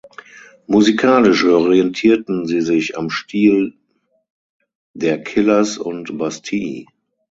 Musikalisch orientierten sie sich am Stil der Killers und Bastille.